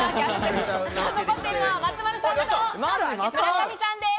残っているのは松丸さんと村上さんです。